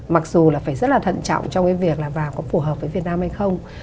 mặc dù là phải rất là thận trọng trong cái việc là vào có phù hợp với việt nam hay không